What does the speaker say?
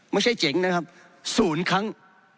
ไม่ใช่เจ๋งนะครับศูนย์ครั้ง